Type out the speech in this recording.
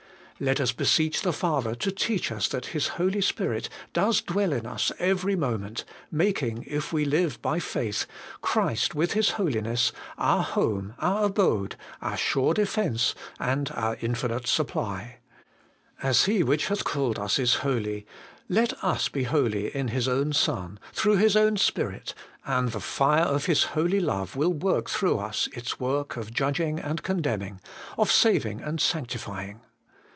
Let us beseech the Father to teach us that His Holy Spirit does dwell in us every moment, making, if we live by faith, Christ with His Holiness, our home, our abode, our sure defence, and our infinite supply. As He which hath called us is holy, let us be holy in His own Son, through His own Spirit, and the fire of His Holy Love will work through us its work of judging and condemning, of saving and sanctifying.